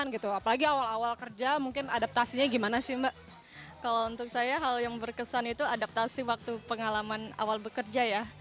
kalau untuk saya hal yang berkesan itu adaptasi waktu pengalaman awal bekerja ya